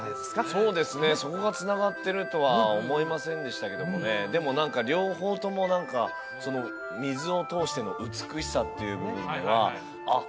そうですねそこがつながってるとは思いませんでしたけどもねでも何か両方とも水を通しての美しさという部分ではあっ